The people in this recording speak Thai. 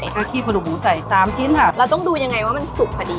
ก๊อสขี้ผลูงหมูใส่สามชิ้นค่ะเราต้องดูยังไงว่ามันสุกพอดี